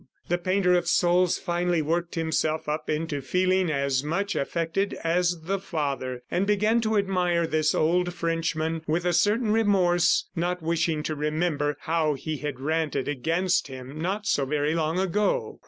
The painter of souls finally worked himself up into feeling as much affected as the father, and began to admire this old Frenchman with a certain remorse, not wishing to remember how he had ranted against him not so very long ago.